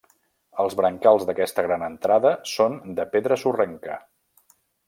Els brancals d'aquesta gran entrada són de pedra sorrenca.